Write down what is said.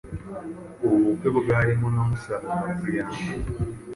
Ubu bukwe bwarimo na musaza wa Priyanka